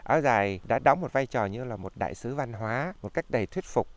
áo dài đã đóng một vai trò như là một đại sứ văn hóa một cách đầy thuyết phục